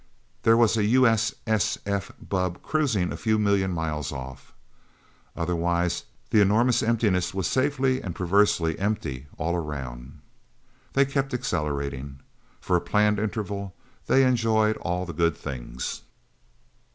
There was a U.S.S.F. bubb cruising a few million miles off. Otherwise, the enormous emptiness was safely and perversely empty, all around. They kept accelerating. For a planned interval, they enjoyed all the good things.